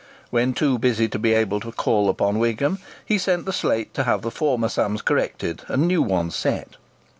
When too busy to be able to call upon Wigham, he sent the slate to have the former sums corrected and new ones set.